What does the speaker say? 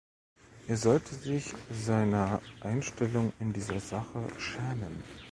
Er sollte sich seiner Einstellung in dieser Sache schämen.